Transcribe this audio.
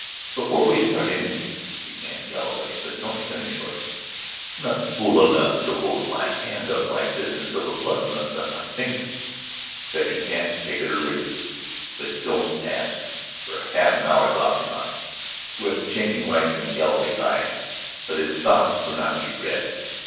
"Before we start anything," began Galloway. But Norton cut him short. "I am not fool enough to hold my hand up like this until the blood runs out of my fingers. You've got your chance; take it or leave it, but don't ask for half an hour's option on it." Swift changing lights were in Galloway's eyes. But his thoughts were not to be read.